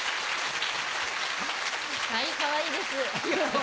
はいかわいいです。